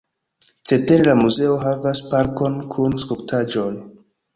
Cetere la muzeo havas parkon kun skulptaĵoj.